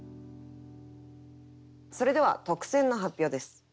それでは特選の発表です。